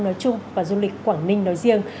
nói chung và du lịch quảng ninh nói riêng